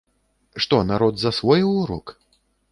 Што народ засвоіў урок?